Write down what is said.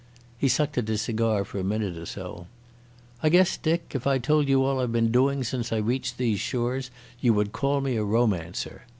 He sucked at his cigar for a minute or so. "I guess, Dick, if I told you all I've been doing since I reached these shores you would call me a romancer.